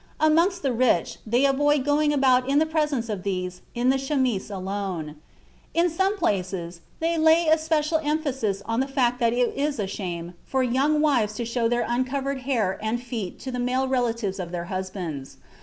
Amongst the rich they avoid going about in the presence of these in the chemise alone. In some places, they lay especial emphasis on the fact that it is a shame for young wives to show their uncovered hair and feet to the male relatives of their husbands.